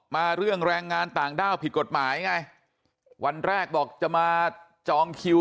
มาเรื่องแรงงานต่างด้าวผิดกฎหมายไงวันแรกบอกจะมาจองคิว